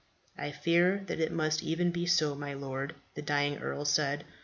"I fear that it must even be so, my lord," the dying earl said.